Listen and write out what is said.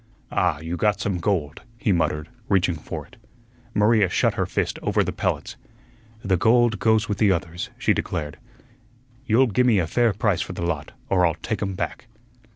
"Ah, you got some gold," he muttered, reaching for it. Maria shut her fist over the pellets. "The gold goes with the others," she declared. "You'll gi' me a fair price for the lot, or I'll take um back."